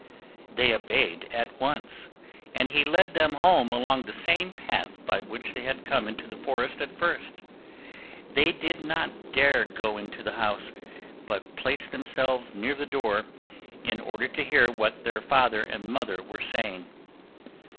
They obeyed at once, and he led them home along the same path by which they had come into the forest at first. They did not dare to go into the house, but placed themselves near the door, in order to hear what their father and mother were saying.